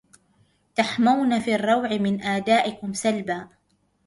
تحمون في الروع من أعدائكم سلبا